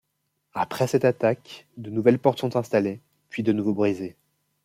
Après cette attaque, de nouvelles portes sont installées, puis de nouveau brisées.